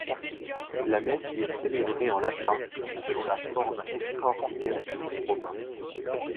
La messe y est célébrée en latin, selon la forme extraordinaire du rite romain.